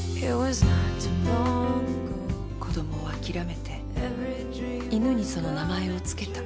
子供はあきらめて犬にその名前を付けた。